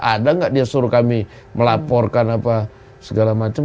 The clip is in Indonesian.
ada gak dia suruh kami melaporkan apa segala macem